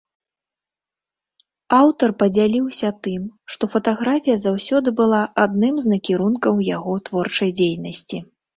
Аўтар падзяліўся тым, што фатаграфія заўсёды была адным з накірункаў яго творчай дзейнасці.